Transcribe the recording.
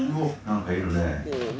何かいるね。